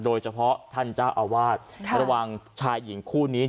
โดยเฉพาะท่านเจ้าอาวาสระวังชายหญิงคู่นี้